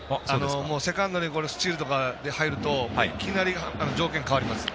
もうセカンドにスチールとかで入るといきなり条件が変わります。